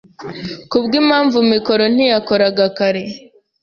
Kubwimpamvu mikoro ntiyakoraga kare.